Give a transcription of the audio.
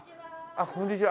あっこんにちは。